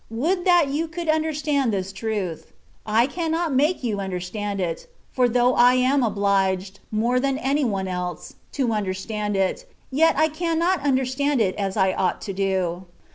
Would that you c(»ild understand this truth. I cannot make you understand it; for though I am obliged, more than any one else, to understand it, yet I cannot imderstaad it as I ought to do.